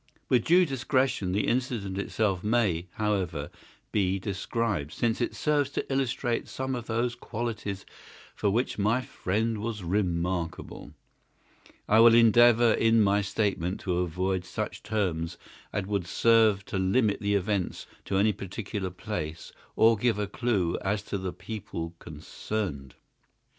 With due discretion the incident itself may, however, be described, since it serves to illustrate some of those qualities for which my friend was remarkable. I will endeavour in my statement to avoid such terms as would serve to limit the events to any particular place, or give a clue as to the people concerned.